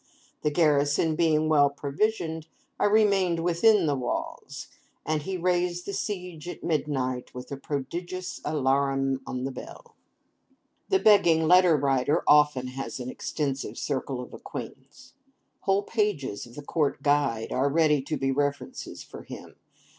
The garrison being well provisioned, I remained within the walls; and he raised the siege at midnight with a prodigious alarum on the bell. The Begging Letter Writer often has an extensive circle of acquaintance. Whole pages of the 'Court Guide' are ready to be references for him.